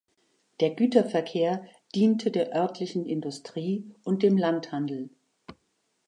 Der Güterverkehr diente der örtlichen Industrie und dem Landhandel.